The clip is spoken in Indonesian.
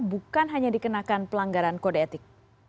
bukan hanya dikenakan pelanggaran kode etik